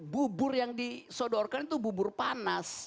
bubur yang disodorkan itu bubur panas